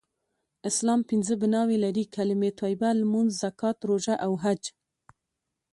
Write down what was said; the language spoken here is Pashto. اسلام پنځه بناوې لری : کلمه طیبه ، لمونځ ، زکات ، روژه او حج